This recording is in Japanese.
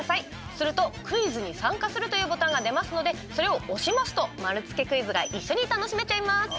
すると「クイズに参加する」というボタンが出ますのでそれを押しますと丸つけクイズが一緒に楽しめちゃいます。